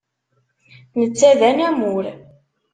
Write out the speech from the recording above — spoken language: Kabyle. Netta d anamur